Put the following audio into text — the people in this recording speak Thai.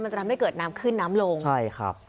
จะทำให้เกิดน้ำขึ้นน้ำลงใช่ครับ